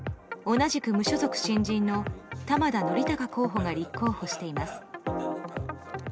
同じく無所属・新人の玉田憲勲候補が立候補しています。